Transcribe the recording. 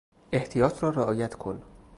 احتیاط را رعایت کن!